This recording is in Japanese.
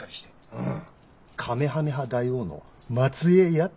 うん。